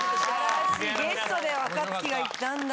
ゲストで若槻が行ったんだ。